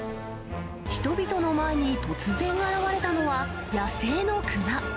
人々の前に突然現れたのは、野生のクマ。